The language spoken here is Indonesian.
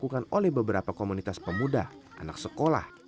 dilakukan oleh beberapa komunitas pemuda anak sekolah